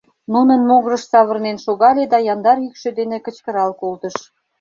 Нунын могырыш савырнен шогале да яндар йӱкшӧ дене кычкырал колтыш.